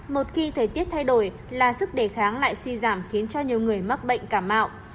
một khi thời tiết thay đổi là sức đề kháng lại suy giảm khiến cho nhiều người mắc bệnh cả mạo